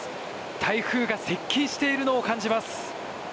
台風が接近しているのを感じます。